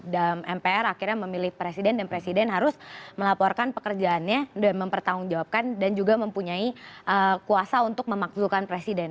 dan mpr akhirnya memilih presiden dan presiden harus melaporkan pekerjaannya dan mempertanggungjawabkan dan juga mempunyai kuasa untuk memaklukan presiden